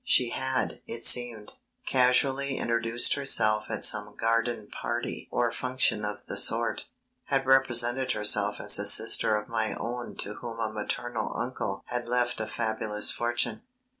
She had, it seemed, casually introduced herself at some garden party or function of the sort, had represented herself as a sister of my own to whom a maternal uncle had left a fabulous fortune.